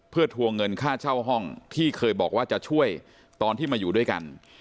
เพื่อทวงเงินค่าเช่าห้องที่เคยบอกว่าจะช่วยตอนที่มาอยู่ด้วยกัน